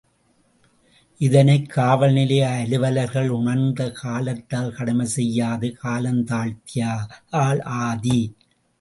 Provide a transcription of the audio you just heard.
இதனைக் காவல்நிலைய அலுவலர்கள் உணர்ந்து காலத்தில் கடமையைச் செய்யாது காலந்தாழ்த்தியதால் ஆதி.